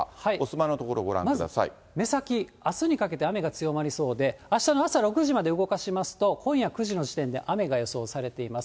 まず目先、あすにかけて雨が強まりそうで、あしたの朝６時まで動かしますと、今夜９時の時点で雨が予想されています。